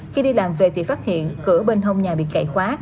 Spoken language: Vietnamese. khi đi làm về thì phát hiện cửa bên hông nhà bị cậy khóa